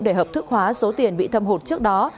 để hợp thức hóa số tiền bị thâm hụt trước đó